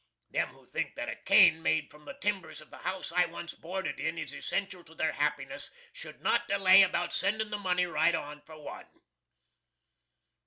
Them who think that a cane made from the timbers of the house I once boarded in is essenshall to their happiness, should not delay about sendin' the money right on for one.